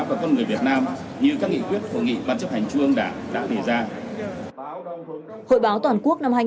của con người việt nam như các nghị quyết của nghị ban chấp hành trương đảng đã đề ra